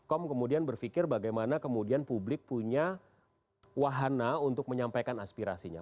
kom kemudian berpikir bagaimana kemudian publik punya wahana untuk menyampaikan aspirasinya